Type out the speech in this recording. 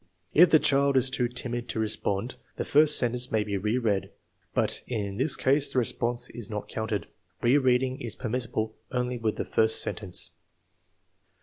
If the child is too timid to respond, the first sentence may be re read, but in this case the response is not counted. Re reading is permissible only with the first sentence.